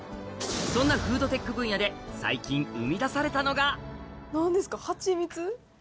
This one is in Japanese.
そんなフードテック分野で最近生み出されたのが何ですか？